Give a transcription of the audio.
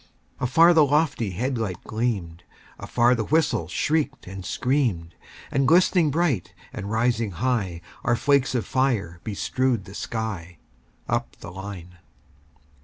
Afar the lofty head light gleamed; Afar the whistle shrieked and screamed; And glistening bright, and rising high, Our flakes of fire bestrewed the sky, Up the line.